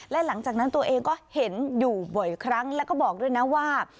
และหลังจากนั้นตัวเองก็เห็นอยู่บ่อยครั้งแล้วก็บอกด้วยนะว่า